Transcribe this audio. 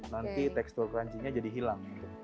nanti tekstur crunchy nya jadi hilang